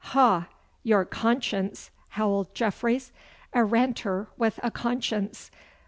'Ha, your conscience!' howled Jeffreys. 'A ranter with a conscience!